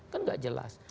kan nggak jelas